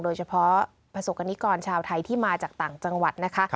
โดยเฉพาะประสบกรณิกรชาวไทยที่มาจากต่างจังหวัดนะคะ